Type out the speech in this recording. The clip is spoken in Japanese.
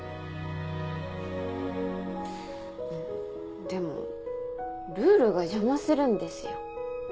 んでもルールが邪魔するんですよ。